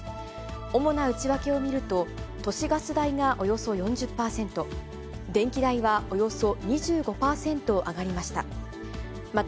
主な内訳を見ると、都市ガス代がおよそ４０％、電気代はおよそ２５％上がりました。